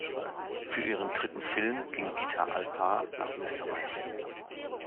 Für ihren dritten Film ging Gitta Alpár nach Österreich.